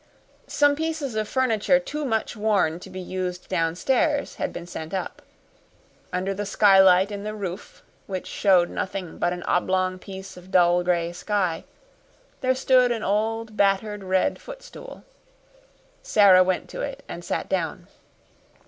Some pieces of furniture too much worn to be used downstairs had been sent up. Under the skylight in the roof, which showed nothing but an oblong piece of dull gray sky, there stood an old battered red footstool. Sara went to it and sat down.